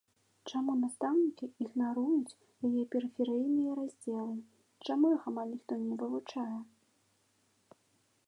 Чаму настаўнікі ігнаруюць яе перыферыйныя раздзелы, чаму іх амаль ніхто не вывучае?